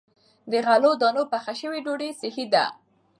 د غلو- دانو پخه شوې ډوډۍ صحي ده.